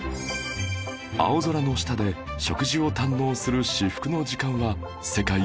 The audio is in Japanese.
青空の下で食事を堪能する至福の時間は世界共通